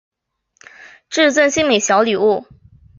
致赠精美小礼物